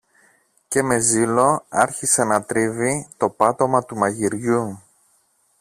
και με ζήλο άρχισε να τρίβει το πάτωμα του μαγειριού